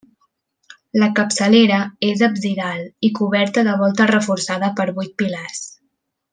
La capçalera és absidal i coberta de volta reforçada per vuit pilars.